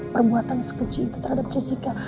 perbuatan sekecil terhadap jessica